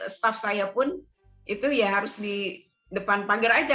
staff saya pun itu ya harus di depan pagar aja